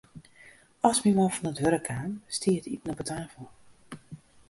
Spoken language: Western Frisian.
As myn man fan it wurk kaam, stie it iten op 'e tafel.